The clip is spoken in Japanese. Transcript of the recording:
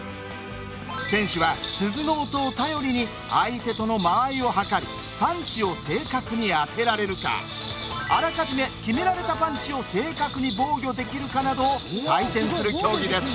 選手は鈴の音を頼りに相手との間合いを測りパンチを正確に当てられるかあらかじめ決められたパンチを正確に防御できるかなどを採点する競技です。